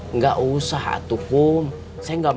enggak usah tin